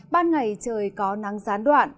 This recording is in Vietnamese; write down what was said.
ban ngày trời có nắng gián đoạn